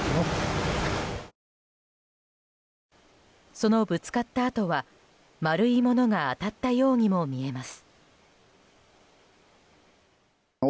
そのぶつかった跡は丸いものが当たったようにも見えます。